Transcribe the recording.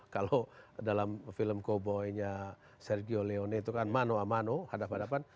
kalau dalam film cowboy nya sergio leone itu kan mano a mano hadap hadapan